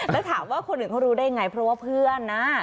แล้วถามว่าคนอื่นเขารู้ได้ไงเพราะว่าเพื่อนนะ